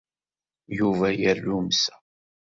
Yuba yerrumsa.